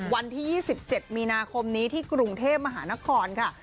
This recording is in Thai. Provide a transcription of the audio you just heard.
วันที่๒๗มีนาคมนี้ที่กรุงเทพมหานครค่ะ